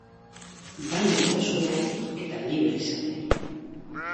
Bai maitasunari eta libre izateari.